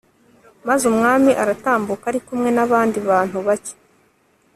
maze umwami aratambuka ari kumwe n'abandi bantu bake